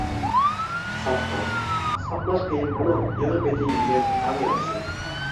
ساقلاش: ساقلاش قىيىن بولۇپ، يېڭى پېتى يېگەن ئەڭ ياخشى.